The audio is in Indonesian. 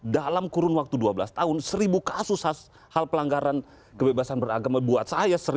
dalam kurun waktu dua belas tahun seribu kasus hal pelanggaran kebebasan beragama buat saya